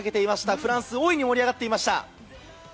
フランス、大いに盛り上がっていました。